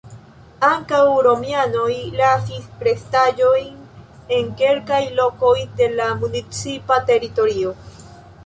Ankaŭ romianoj lasis restaĵojn en kelkaj lokoj de la municipa teritorio.